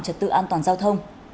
trật tự an toàn giao thông